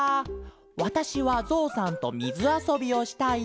わたしはゾウさんとみずあそびをしたいです」。